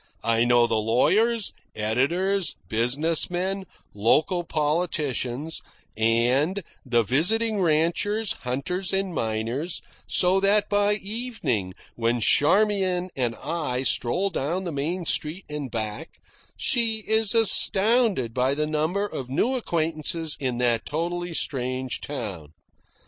I know the lawyers, editors, business men, local politicians, and the visiting ranchers, hunters, and miners, so that by evening, when Charmian and I stroll down the main street and back, she is astounded by the number of my acquaintances in that totally strange town.